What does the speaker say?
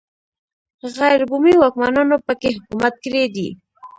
غیر بومي واکمنانو په کې حکومت کړی دی